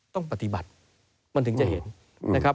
ต้องปฏิบัติมันถึงจะเห็นนะครับ